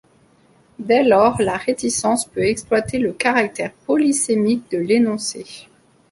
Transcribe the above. Dès lors, la réticence peut exploiter le caractère polysémique de l'énoncé.